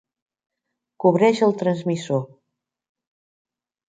Cobreix el transmissor!